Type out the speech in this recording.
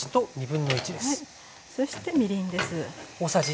そしてみりんです。